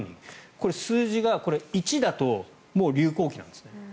これは数字が１だともう流行期です。